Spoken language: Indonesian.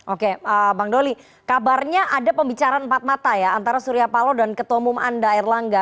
oke bang doli kabarnya ada pembicaraan empat mata ya antara surya paloh dan ketua umum anda erlangga